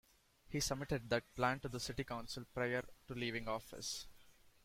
He submitted that plan to the city council prior to leaving office.